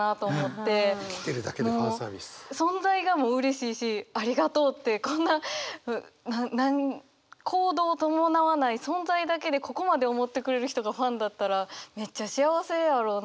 存在がもううれしいしありがとうってこんな行動を伴わない存在だけでここまで思ってくれる人がファンだったらめっちゃ幸せやろなと思いましたね。